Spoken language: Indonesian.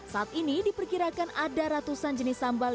saat ini diperkirakan ada ratusan jenis sambal